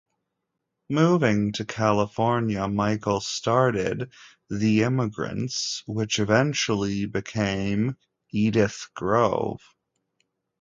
Moving to California, Michael started The Immigrants which eventually became Edith Grove.